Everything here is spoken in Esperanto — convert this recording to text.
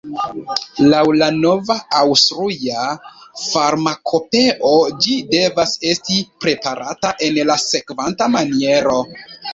Laŭ la nova Aŭstruja farmakopeo ĝi devas esti preparata en la sekvanta maniero